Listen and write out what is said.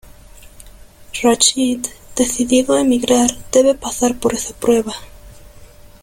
Rachid, decidido a emigrar, debe pasar por esa prueba.